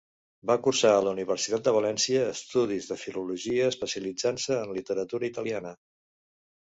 Va cursar a la Universitat de València estudis de filologia, especialitzant-se en literatura italiana.